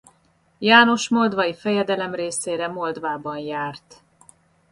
János moldvai fejedelem részére Moldvában járt.